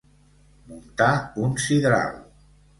Muntar un sidral.